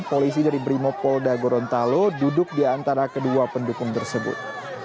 polisi dari brimopolda gorontalo duduk di antara kedua pendukung tersebut